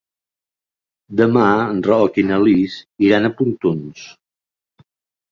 Demà en Roc i na Lis iran a Pontons.